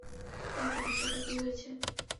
Mace তোমার সাথে কি হয়েছে?